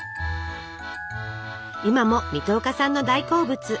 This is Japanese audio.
今も水戸岡さんの大好物！